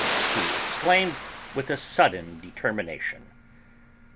he exclaimed, with a sudden determination.